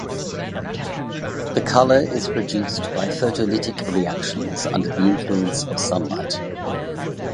The color is produced by photolytic reactions under the influence of sunlight.